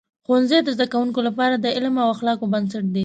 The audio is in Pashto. ښوونځي د زده کوونکو لپاره د علم او اخلاقو بنسټ دی.